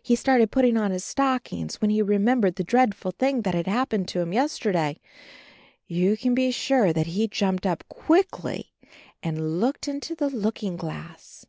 He started putting on his stockings, when he remembered the dreadful thing that had happened to him yesterday. You can be sure that he jumped up quickly and looked into the looking glass.